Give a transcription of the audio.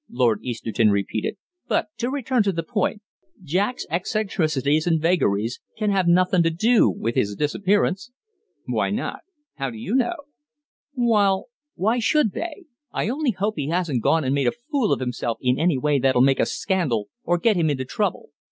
Lord Easterton repeated. "But to return to the point, Jack's eccentricities and vagaries can have nothin' to do with his disappearance." "Why not? How do you know?" "Well, why should they? I only hope he hasn't gone and made a fool of himself in any way that'll make a scandal or get him into trouble.